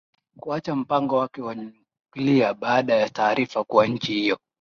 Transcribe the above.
kuacha mpango wake wa nyuklia baada ya taarifa kuwa nchi hiyo